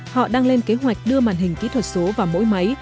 họ đang lên kế hoạch đưa màn hình kỹ thuật số vào mỗi máy